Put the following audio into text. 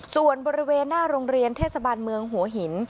ส่วนบริเวณหน้าโรงเรียนเทศบาลเมืองหัวหิน